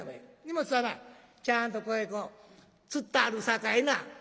荷物はなちゃんとここへつったあるさかいな」。